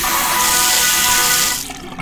ځواني د نوي سهار او نوي ژوند پيلامه ده.